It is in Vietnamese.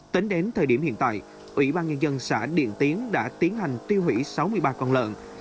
tính đến thời điểm hiện tại ủy ban nhân dân xã điện tiến đã tiến hành tiêu hủy sáu mươi ba con lợn